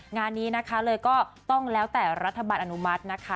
งานนี้นะคะเลยก็ต้องแล้วแต่รัฐบาลอนุมัตินะคะ